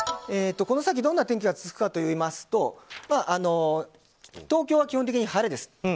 この先、どんな天気が続くかといいますと東京は基本的に晴れです。